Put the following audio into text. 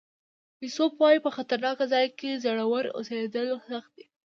ایسوپ وایي په خطرناک ځای کې زړور اوسېدل سخت دي.